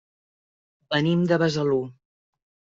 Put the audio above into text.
Venim de Besalú.